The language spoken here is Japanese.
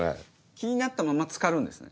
気になったままつかるんですね？